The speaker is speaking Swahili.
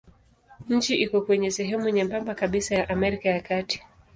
Nchi iko kwenye sehemu nyembamba kabisa ya Amerika ya Kati.